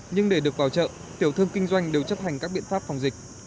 nhưng để được vào chợ tiểu thương kinh doanh đều chấp hành các biện pháp phòng dịch